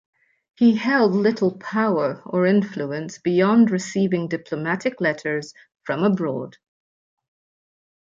He held little power or influence beyond receiving diplomatic letters from abroad.